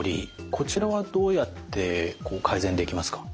こちらはどうやって改善できますか？